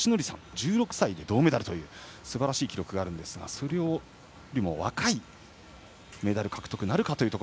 １６歳で銅メダルというすばらしい記録がありますがそれよりも若いメダル獲得となるか。